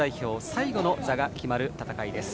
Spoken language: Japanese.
最後の座が決まる戦い。